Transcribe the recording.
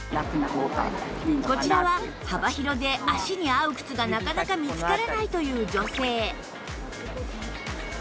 こちらは幅広で足に合う靴がなかなか見つからないという女性